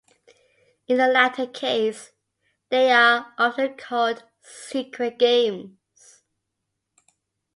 In the latter case, they are often called "secret games".